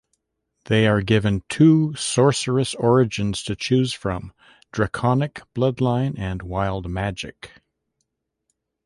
They are given two Sorcerous Origins to choose from: Draconic Bloodline and Wild Magic.